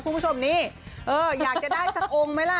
คุณผู้ชมนี่อยากจะได้ทั้งองค์ไหมล่ะ